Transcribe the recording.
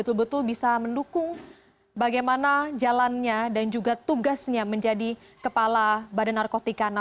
terima kasih pak